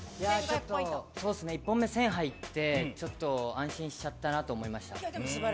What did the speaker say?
１本目、１０００入ってちょっと安心しちゃったなと思いました。